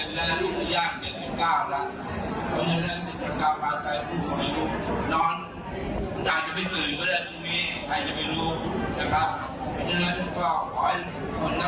และก็รักษาทุกคนทั้งทั้งที่มา